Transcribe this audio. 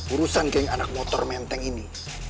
urusan geng anak motor menteng ini